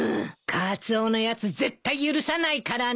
カツオのやつ絶対許さないからね。